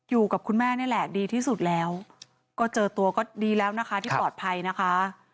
อยู่กับคุณแม่นี่แหละดีที่สุดแล้วก็เจอตัวก็ดีแล้วนะคะที่ปลอดภัยนะคะ